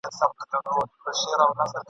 پر آسمان یې کرشمې د ده لیدلای !.